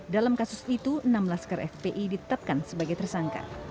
dalam kasus itu enam laskar fpi ditetapkan sebagai tersangka